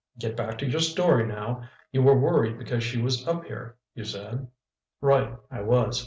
Get back to your story, now. You were worried because she was up here, you said?" "Right, I was.